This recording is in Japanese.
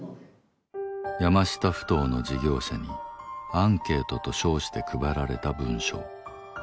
山下ふ頭の事業者にアンケートと称して配られた文書。